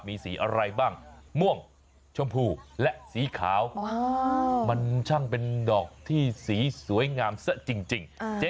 มีสีอะไรบ้างม่วงชมพูและสีขาวมันช่างเป็นดอกที่สีสวยงามซะจริง